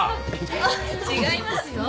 違いますよ。